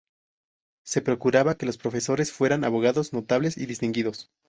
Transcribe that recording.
Se procuraba que los profesores fueran abogados notables y distinguidos.